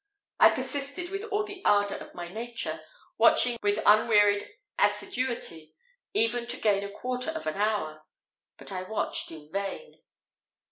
I persisted with all the ardour of my nature, watching with unwearied assiduity even to gain a quarter of an hour; but I watched in vain.